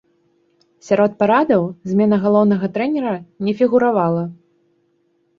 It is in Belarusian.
Сярод парадаў змена галоўнага трэнера не фігуравала.